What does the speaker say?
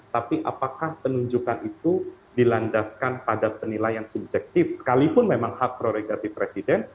tapi apakah penunjukan itu dilandaskan pada penilaian subjektif sekalipun memang hak prerogatif presiden